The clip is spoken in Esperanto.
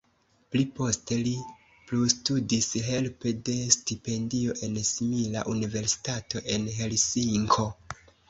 Pli poste li plustudis helpe de stipendio en simila universitato en Helsinko.